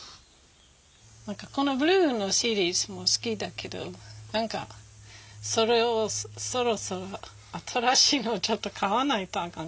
このブルーのシリーズも好きだけど何かそろそろ新しいのちょっと買わないとあかん。